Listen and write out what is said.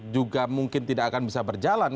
juga mungkin tidak akan bisa berjalan